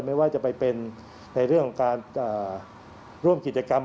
ไม่ว่าจะไปเป็นในเรื่องของการร่วมกิจกรรม